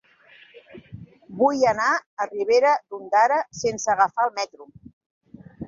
Vull anar a Ribera d'Ondara sense agafar el metro.